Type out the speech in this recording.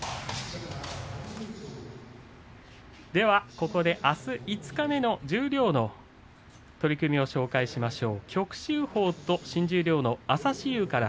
ここであす五日目の十両の取組を紹介しましょう。